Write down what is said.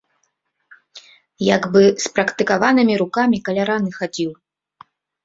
Як бы спрактыкаванымі рукамі каля раны хадзіў.